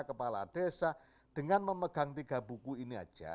kepala desa dengan memegang tiga buku ini aja